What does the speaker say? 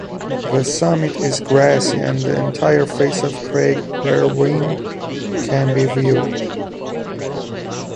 The summit is grassy, and the entire face of Craig Berwyn can be viewed.